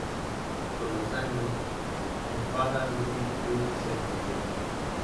Con los años, el Padua Rugby Club se disolvió.